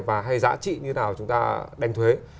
và hay giá trị như nào chúng ta đánh thuế